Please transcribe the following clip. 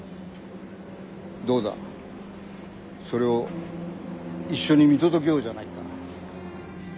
どうだそれを一緒に見届けようじゃないか。